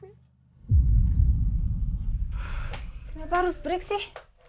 kenapa harus break sih